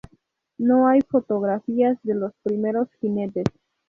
No hay fotografías de los primeros jinetes.